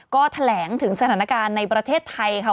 ก็แถลงถึงสถานการณ์ในประเทศไทยค่ะ